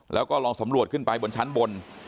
แล้วก็ลองสำรวจขึ้นไปบนชั้นบน